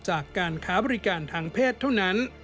จากการค้าบริการทางเพศเท่านั้น